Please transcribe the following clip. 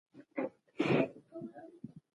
علم ته لاسرسی د ټولو حق دی.